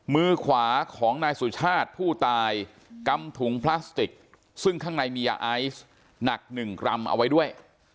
มือขวาของนายสุชาติผู้ตายกำถุงพลาสติกซึ่งข้างในมียาไอซ์หนักหนึ่งกรัมเอาไว้ด้วย